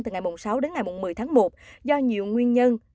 từ ngày sáu đến ngày một mươi tháng một do nhiều nguyên nhân